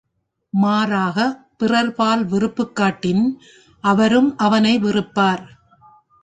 மாறாகப் பிறர்பால் வெறுப்புக் காட்டின், அவரும் அவனை வெறுப்பார்.